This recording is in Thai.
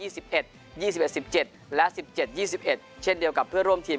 ยี่สิบเอ็ดสิบเจ็ดและสิบเจ็ดยี่สิบเอ็ดเช่นเดียวกับเพื่อร่วมทีม